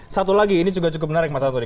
satu lagi ini juga cukup menarik mas antoni